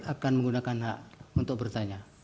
akan menggunakan hak untuk bertanya